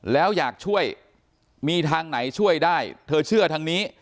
แล้วอยากช่วยมีทางไหนช่วยได้เธอเชื่อทางนี้